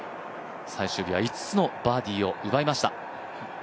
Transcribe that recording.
最終日は５つのバーディーを奪いました。